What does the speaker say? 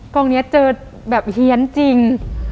กองนี้เจอแบบเฮียนจริง